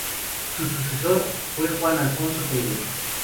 Su sucesor fue Juan Alfonso Tello.